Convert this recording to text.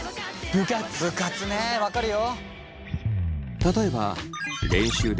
部活ね分かるよ。